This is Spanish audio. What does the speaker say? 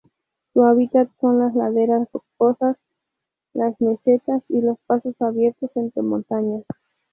Su hábitat son las laderas rocosas, las mesetas y los pasos abiertos entre montañas.